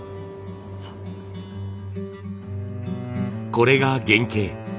これが原型。